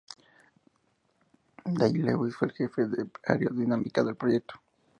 Dave Lewis fue el Jefe de Aerodinámica del proyecto.